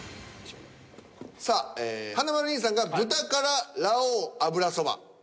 さあ華丸兄さんが「豚辛ラ王油そば」。